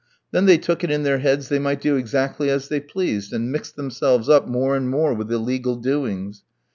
Then they took it in their heads they might do exactly as they pleased, and mixed themselves up more and more with illegal doings.